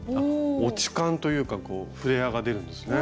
落ち感というかフレアが出るんですね。